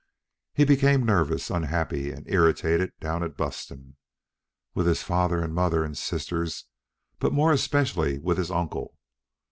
He became nervous, unhappy, and irritated down at Buston, with his father and mother and sister's, but more especially with his uncle.